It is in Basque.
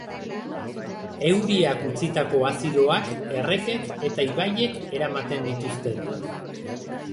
Euriak utzitako azidoak errekek eta ibaiek eramaten dituzte.